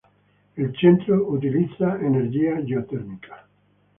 Il centro utilizza energia geotermica.